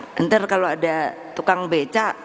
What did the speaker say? nanti kalau ada tukang beca